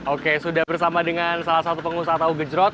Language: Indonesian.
oke sudah bersama dengan salah satu pengusaha tahu gejrot